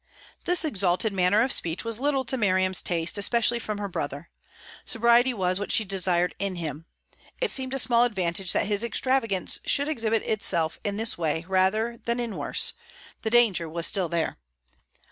This exalted manner of speech was little to Miriam's taste, especially from her brother. Sobriety was what she desired in him. It seemed a small advantage that his extravagance should exhibit itself in this way rather than in worse; the danger was still there.